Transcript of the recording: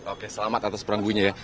oke selamat atas peranggunya ya